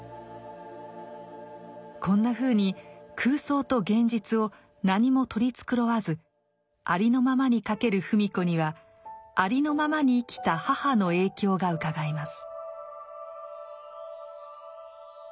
こんなふうに空想と現実を何も取り繕わずありのままに書ける芙美子にはありのままに生きた母の影響がうかがえます。